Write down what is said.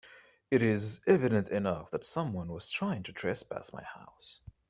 It is evident enough that someone was trying to trespass my house.